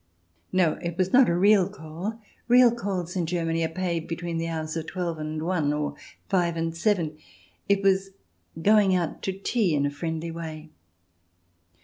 No, it was not a real call — real calls in Germany are paid between the hours of twelve and one or five and seven — it was going out to tea in a friendly way.